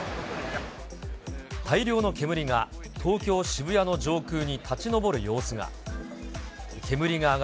大量の煙が東京・渋谷の上空に立ち上る様子が。